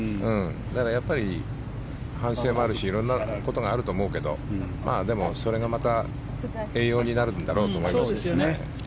やっぱり反省もあるし色んなことがあると思うけどでもそれがまた栄養になるんだろうと思います。